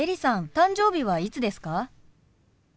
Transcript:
誕生日はいつですか？